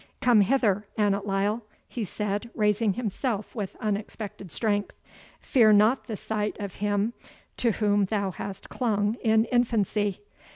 Come hither, Annot Lyle," he said, raising himself with unexpected strength; "fear not the sight of him to whom thou hast clung in infancy.